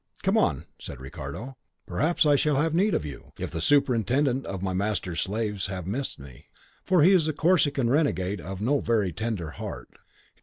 "Come on," said Ricardo; "perhaps I shall have need of you, if the superintendent of my master's slaves have missed me, for he is a Corsican renegade of no very tender heart."